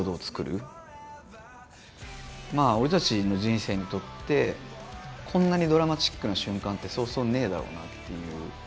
まあ俺たちの人生にとってこんなにドラマチックな瞬間ってそうそうねえだろうなっていう。